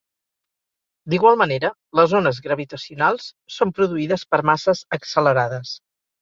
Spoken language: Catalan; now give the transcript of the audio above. D'igual manera, les ones gravitacionals són produïdes per masses accelerades.